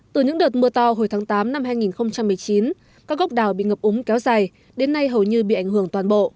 từ những đợt mưa to hồi tháng tám năm hai nghìn một mươi chín các gốc đào bị ngập úng kéo dài đến nay hầu như bị ảnh hưởng toàn bộ